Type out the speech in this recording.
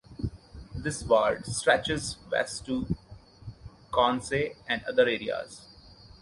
This ward stretches west to Cornsay and other areas.